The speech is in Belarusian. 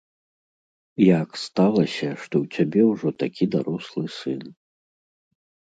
Як сталася, што ў цябе ўжо такі дарослы сын?